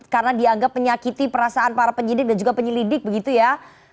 karena dianggap menyakiti perasaan para penyidik dan juga penyelidik begitu ya